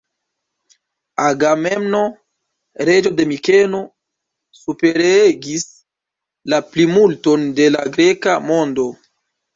Agamemno, reĝo de Mikeno, superregis la plimulton de la greka mondo.